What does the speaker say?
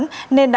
nên đã dùng tay